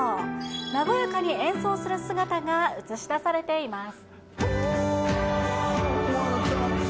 和やかに演奏する姿が映し出されています。